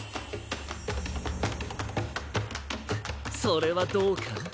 それはどうかな？